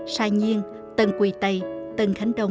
sai nhiên tân quỳ tây tân khánh đông